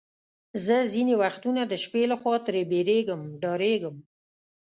زه ځینې وختونه د شپې له خوا ترې بیریږم، ډارېږم.